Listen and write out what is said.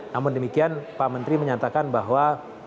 namun demikian pak menteri menyatakan bahwa